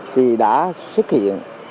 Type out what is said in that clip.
thì đã xuất hiện